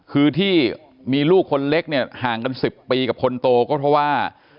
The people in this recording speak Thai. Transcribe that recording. คือที่มีลูกคนเล็กเนี่ยห่างกัน๑๐ปีกับคนโตก็เพราะว่า